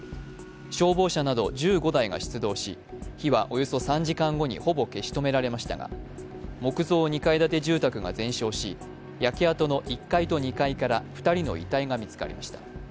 消防車など１５台が出動し火はおよそ３時間後にほぼ消し止められましたが木造２階建て住宅が全焼し焼け跡の１階と２階から２人の遺体が見つかりました。